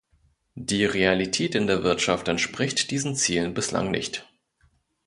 Die Realität in der Wirtschaft entspricht diesen Zielen bislang nicht.